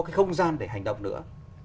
cái không gian để hành động nữa